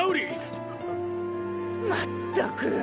まったく。